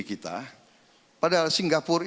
kita padahal singapura